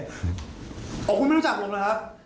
เอ้าคุณไม่รู้จักผมนะครับ